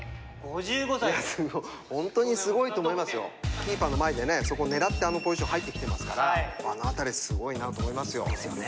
キーパーの前でねそこ狙ってあのポジション入ってきてますからあの辺りすごいなと思いますよ。ですよね。